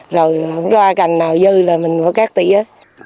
rồi ra cành nào dư là mình có các tỉa